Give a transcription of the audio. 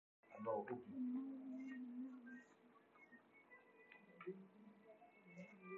The province is in close proximity to Camaldoli, ancestral seat of the Camaldolese monks.